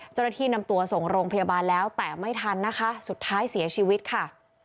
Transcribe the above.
เจ้าหน้าที่นำตัวส่งโรงพยาบาลแล้วแต่ไม่ทันนะคะสุดท้ายเสียชีวิตค่ะ